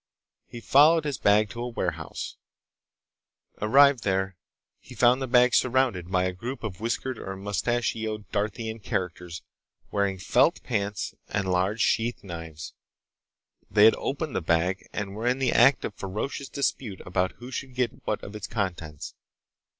He followed his bag to a warehouse. Arrived there, he found the bag surrounded by a group of whiskered or mustachioed Darthian characters wearing felt pants and large sheath knives. They had opened the bag and were in the act of ferocious dispute about who should get what of its contents.